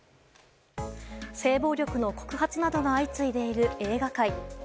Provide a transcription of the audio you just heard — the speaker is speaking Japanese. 性暴力の告発などが相次いでいる映画界。